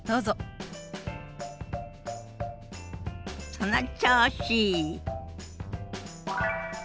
その調子！